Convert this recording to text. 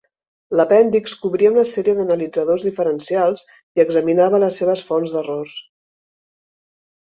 L'apèndix cobria una sèrie d'analitzadors diferencials i examinava les seves fonts d'errors.